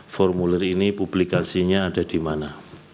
formulir ini publikasinya ada di mana